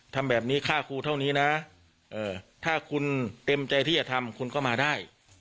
ทำแบบนี้ค่าครูเท่านี้นะถ้าคุณเต็มใจที่จะทำคุณก็มาได้